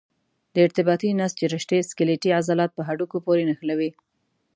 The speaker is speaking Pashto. د ارتباطي نسج رشتې سکلیټي عضلات په هډوکو پورې نښلوي.